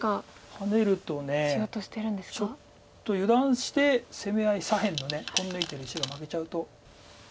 ハネるとちょっと油断して攻め合い左辺のポン抜いてる石が負けちゃうと。